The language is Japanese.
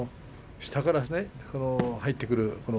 下から入ってくる。